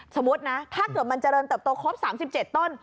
สมมุตินะถ้าเกิดมันเจริญเติบโตครบ๓๗ต้น